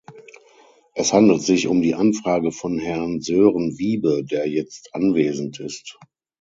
Es handelt sich um die Anfrage von Herrn Sören Wibe, der jetzt anwesend ist.